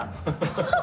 ハハハハ。